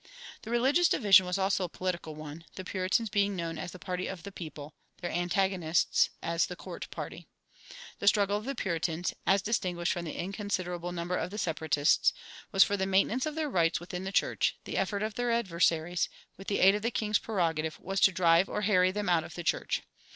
The religious division was also a political one, the Puritans being known as the party of the people, their antagonists as the court party. The struggle of the Puritans (as distinguished from the inconsiderable number of the Separatists) was for the maintenance of their rights within the church; the effort of their adversaries, with the aid of the king's prerogative, was to drive or harry them out of the church.